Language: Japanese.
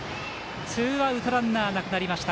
ツーアウトランナーなくなりました。